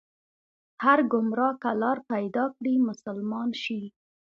هر ګمراه که لار پيدا کړي، مسلمان شي